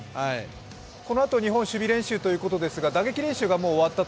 このあと日本は守備練習ということでバッティング練習が終わって